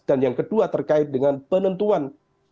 dan yang kedua terkait dengan penentuan